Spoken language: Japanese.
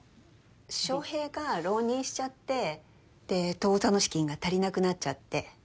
翔平が浪人しちゃってで当座の資金が足りなくなっちゃって。